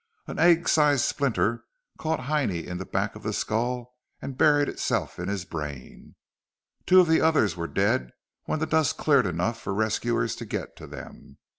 An egg sized splinter caught Heinie in the back of the skull and buried itself in his brain. Two of the others were dead when the dust cleared enough for rescuers to get to them.